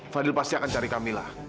fadil pasti akan cari kamila